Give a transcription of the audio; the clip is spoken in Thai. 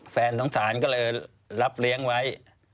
สงสารก็เลยรับเลี้ยงไว้